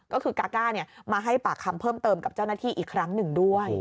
ก็คือกาก้ามาให้ปากคำเพิ่มเติมกับเจ้าหน้าที่อีกครั้งหนึ่งด้วย